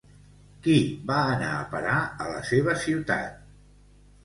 Qui va anar a parar a la seva ciutat?